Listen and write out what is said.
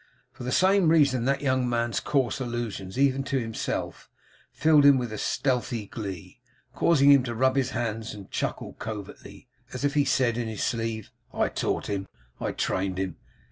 For the same reason that young man's coarse allusions, even to himself, filled him with a stealthy glee; causing him to rub his hands and chuckle covertly, as if he said in his sleeve, 'I taught him. I trained him.